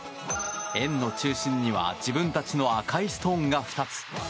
円の中心には自分たちの赤いストーンが２つ。